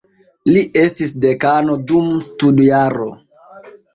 Li estis dekano dum studjaro.